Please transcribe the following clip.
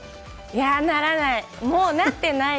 いや、ならない。